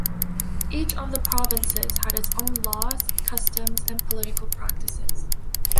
Each of the provinces had its own laws, customs and political practices.